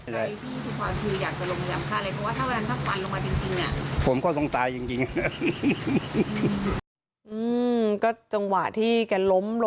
ใครที่สุภาพคืออยากจะลงพยายามค่าอะไร